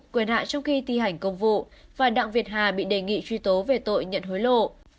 quyền hạ trong khi thi hành công vụ và đặng việt hà bị đề nghị truy tố về tội nhận hối lộ